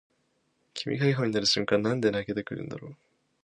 君が笑顔になる瞬間なんで泣けてくるんだろう